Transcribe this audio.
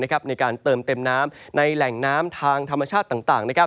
ในการเติมเต็มน้ำในแหล่งน้ำทางธรรมชาติต่าง